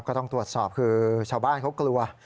ก็ต้องตรวจสอบคือชาวบ้านเขากลัว